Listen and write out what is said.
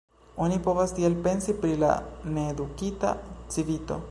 Oni povas tiel pensi pri la needukita civito.